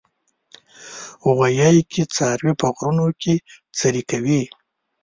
غویی کې څاروي په غرونو کې څرې کوي.